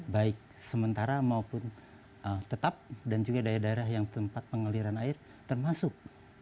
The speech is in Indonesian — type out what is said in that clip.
baik sementara maupun tetap dan juga daerah daerah yang tempat pengaliran air termasuk